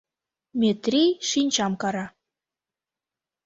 — Метрий шинчам кара.